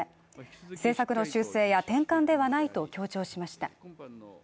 政策の修正や転換ではないと強調しました。